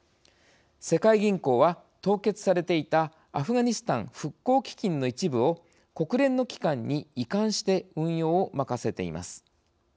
世界銀行は、凍結されていたアフガニスタン復興基金の一部を国連の機関に移管して運用を任せています。